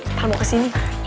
apaan mau kesini